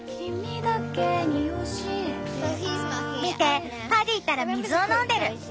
見てパディったら水を飲んでる。